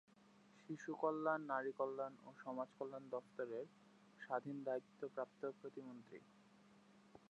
শিশু কল্যাণ, নারী কল্যাণ ও সমাজ কল্যাণ দফতরের স্বাধীন দায়িত্বপ্রাপ্ত প্রতিমন্ত্রী।